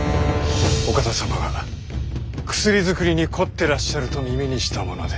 お方様が薬作りに凝ってらっしゃると耳にしたもので。